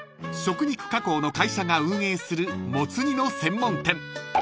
［食肉加工の会社が運営するもつ煮の専門店］